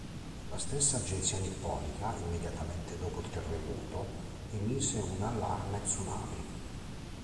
La stessa agenzia nipponica, immediatamente dopo il terremoto, emise un allarme tsunami.